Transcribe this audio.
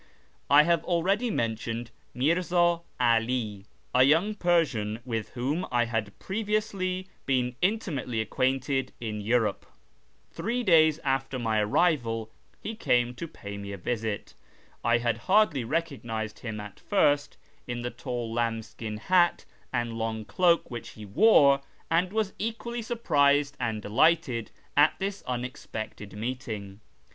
I have already mentioned Mirza 'Ali, a young Persian with whom I had previously been intimately ac quainted in Europe. Three days after my arrival he came to pay me a visit. I hardly recognised him at first, in the tall lambskin cap and long cloak which he wore, and was equally surprised and delighted at this unexpected meeting.